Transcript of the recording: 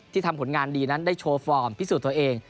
ทำผลงานดีนั้นได้โชว์ฟอร์มพิสูจน์ตัวเอง